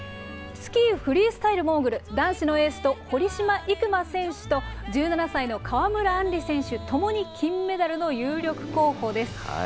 スキーフリースタイルモーグル、男子のエースの堀島行真選手と１７歳の川村あんり選手、ともに金メダルの有力候補です。